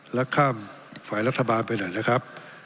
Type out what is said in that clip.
และข้ามฝ่ายรัฐบาลไปหน่อยนะครับ